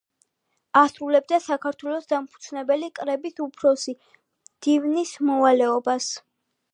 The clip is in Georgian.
ასრულებდა საქართველოს დამფუძნებელი კრების უფროსი მდივნის მოვალეობას.